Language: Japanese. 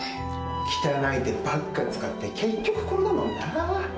・汚い手ばっか使って結局これだもんなぁ。